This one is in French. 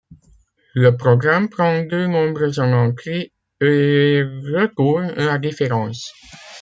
Le programme prend deux nombres en entrée et retourne la différence.